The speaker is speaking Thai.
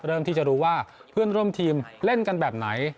ที่จะรู้ว่าเพื่อนร่วมทีมเล่นกันแบบไหน